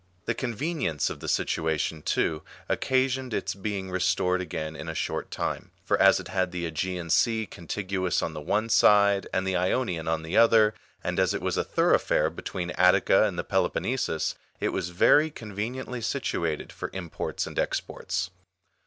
^ The convenience of the situation, too, occasioned its being re stored again in a short time. For as it had the ^gean Sea contiguous on the one side, and the Ionian on the other, and as it was a thoroughfare between Attica and the Pelopon nesus, it was very conveniently situated for imports and exports.